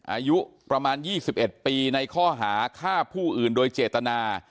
อายุประมาณ๒๑ปีในข้อหาฆ่าผู้อื่นโดยเจตนา